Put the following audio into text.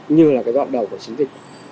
như là cái đoạn đầu của chiến dịch